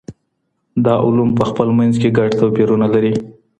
دا علوم په خپل منځ کي ګډ توپیرونه لري.